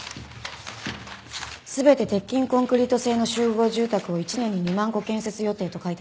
「全て鉄筋コンクリート製の集合住宅を１年に２万戸建設予定」と書いてあるけど。